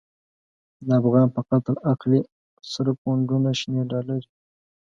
د افغان په قتل اخلی، سره پو نډونه شنی ډالری